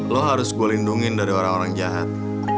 lo harus gue lindungi dari orang orang jahat